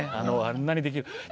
あんなにできる。